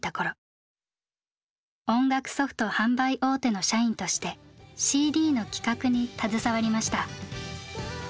音楽ソフト販売大手の社員としてＣＤの企画に携わりました。